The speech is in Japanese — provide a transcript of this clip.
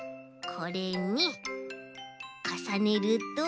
これにかさねると。